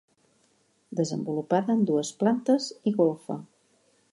Desenvolupada en dues plantes i golfa.